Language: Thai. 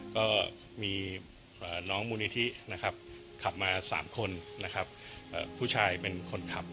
ก็มีน้องมูลนิธินะครับขับมา๓คนนะครับผู้ชายเป็นคนขับ